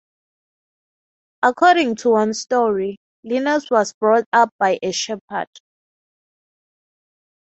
According to one story, Linus was brought up by a shepherd.